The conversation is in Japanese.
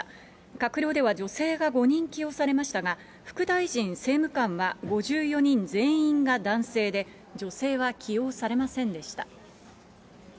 閣僚では女性が５人起用されましたが、副大臣、政務官は５４人全員が男性で、女性は起用されませんでした。